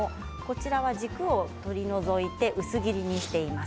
軸を取り除いて薄切りにしています。